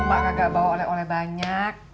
emak kagak bawa oleh oleh banyak